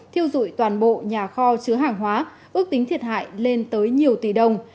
thiêu dụi toàn bộ nhà kho chứa hàng hóa ước tính thiệt hại lên tới nhiều tỷ đồng